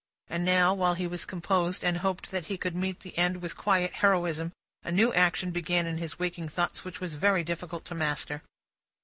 And now, while he was composed, and hoped that he could meet the end with quiet heroism, a new action began in his waking thoughts, which was very difficult to master.